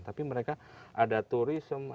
tapi mereka ada turisme ada maksimal